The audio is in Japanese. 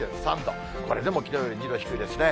これでもきのうより２度低いですね。